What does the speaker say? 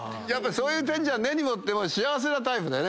そういう点じゃ根に持っても幸せなタイプだよね。